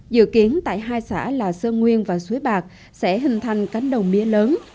dự kiến tại hai xã là sơn nguyên và suối bạc sẽ hình thành cánh đồng mía lớn